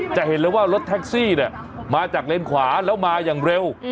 จะเห็นเลยว่ารถแท็กซี่เนี่ยมาจากเลนขวาแล้วมาอย่างเร็ว